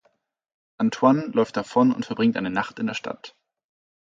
Antoine läuft davon und verbringt eine Nacht in der Stadt.